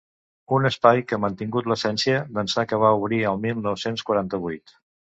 Un espai que ha mantingut l’essència d’ençà que va obrir el mil nou-cents quaranta-vuit.